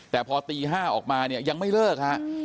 แต่พอตี๕ออกมาเนี่ยยังไม่เลิกฮะ